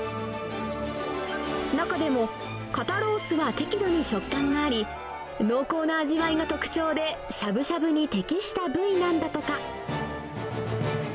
中でも、肩ロースは適度に食感があり、濃厚な味わいが特徴で、しゃぶしゃぶに適した部位なんだとか。